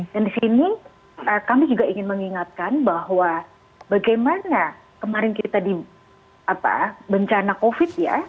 dan di sini kami juga ingin mengingatkan bahwa bagaimana kemarin kita di bencana covid ya